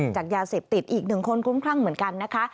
จากยาเสพติดอีกหนึ่งคนคลุ้มคลั่งเหมือนกันนะคะ